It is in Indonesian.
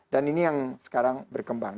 dan ini yang sekarang berkembang